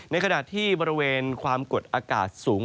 ในขณะที่บริเวณความกดอากาศสูง